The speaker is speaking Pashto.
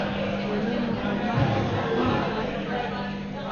ولي محمد هم بد نه و.